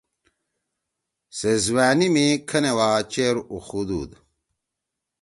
سے زِوأنی می کھنے وا چیر اُوخُودُود۔